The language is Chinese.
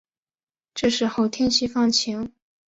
这时候天气放晴